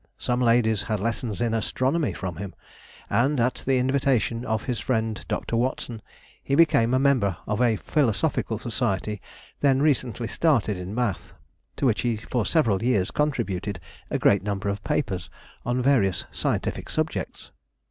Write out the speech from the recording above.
Some ladies had lessons in astronomy from him, and, at the invitation of his friend Dr. Watson, he became a member of a philosophical society then recently started in Bath, to which he for several years contributed a great number of papers on various scientific subjects.